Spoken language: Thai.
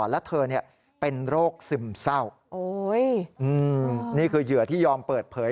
และเธอเนี้ยเป็นโรคซึมเศร้าโอ้ยอืมนี่คือเหยื่อที่ยอมเปิดเผย